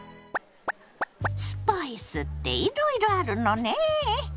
スパイスっていろいろあるのねえ。